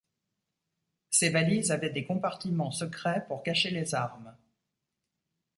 Ces valises avaient des compartiments secrets pour cacher les armes.